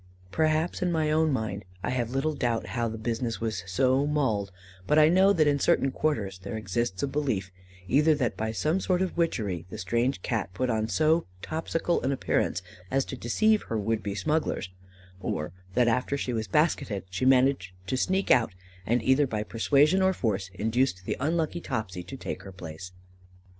"Perhaps, in my own mind, I have little doubt how the business was so mulled, but I know that in certain quarters there exists a belief, either that by some sort of witchery the strange Cat put on so Topsical an appearance as to deceive her would be smugglers, or that, after she was basketed, she managed to sneak out, and either by persuasion or force induced the unlucky Topsy to take her place.